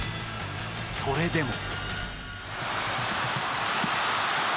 それでも。